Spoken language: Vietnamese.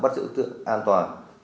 bắt giữ đối tượng an toàn